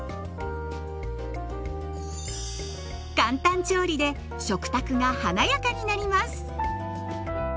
簡単調理で食卓が華やかになります。